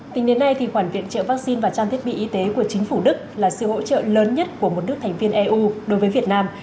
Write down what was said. tính đến nay khoản viện trợ vaccine và trang thiết bị y tế của chính phủ đức là sự hỗ trợ lớn nhất của một nước thành viên eu đối với việt nam